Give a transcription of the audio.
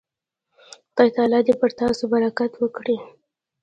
خدای تعالی دې پر تاسو برکت وکړي.